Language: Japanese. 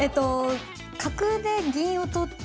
角で銀を取って。